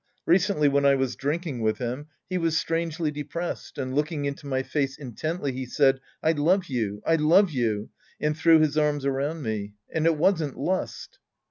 Recently when I was drinking with Iiim, he was strangely depressed, and looking into my face intently, he said, " I love you, I love you," and threw his arms around me. ^"'S^nd it wasn't lust.